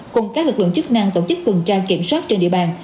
cùng các lực lượng chức năng tổ chức tuần tra kiểm soát trên địa bàn